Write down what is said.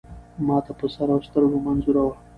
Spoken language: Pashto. ما ته په سر اوسترګو منظور وه .